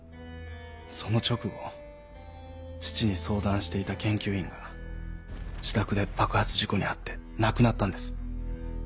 その直後父に相談していた研究員が自宅で爆発事故に遭って亡くなったんです。